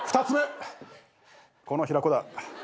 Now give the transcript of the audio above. ２つ目この平子だ。